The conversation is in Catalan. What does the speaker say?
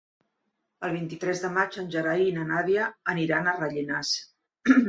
El vint-i-tres de maig en Gerai i na Nàdia aniran a Rellinars.